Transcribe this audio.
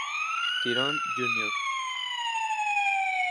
Tyrone Jr.